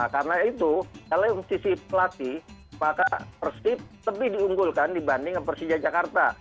karena itu kalau yang sisi pelatih maka persib lebih diunggulkan dibanding persija jakarta